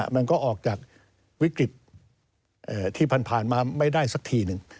มันก็ออกจากวิกฤตที่ผ่านมาไม่ได้สักทีหนึ่ง